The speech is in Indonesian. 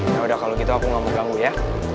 yaudah kalau gitu aku gak mau ganggu ya